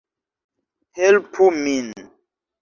Helpu min!